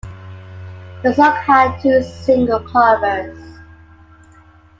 The song had two single covers.